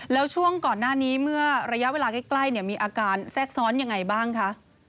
แล้วช่วงก่อนหน้านี้เมื่อระยะเวลาใกล้มีอาการแทรกซ้อนยังไงบ้างคะ